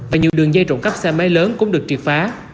và nhiều đường dây trộn cắp xe máy lớn cũng được xử lý